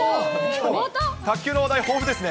卓球の話題豊富ですね。